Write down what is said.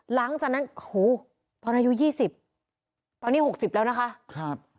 หลังจากนั้นโอ้โหตอนอายุยี่สิบตอนนี้หกสิบแล้วนะคะครับ